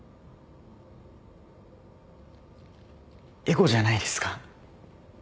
エゴじゃないですか。